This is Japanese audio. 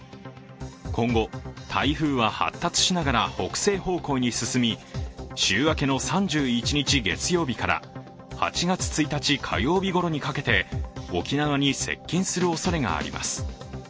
今後、台風は発達しながら北西方向に進み週明けの３１日月曜日から８月１日火曜日ごろにかけて沖縄に接近するおそれがあります。